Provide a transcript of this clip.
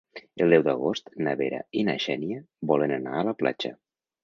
El deu d'agost na Vera i na Xènia volen anar a la platja.